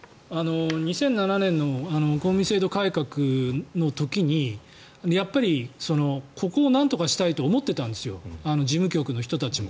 ２００７年の公務員制度改革の時にやっぱりここをなんとかしたいと思ってたんですよ事務局の人たちも。